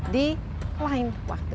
di lain waktu